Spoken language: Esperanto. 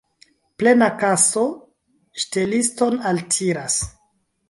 Plena kaso ŝteliston altiras.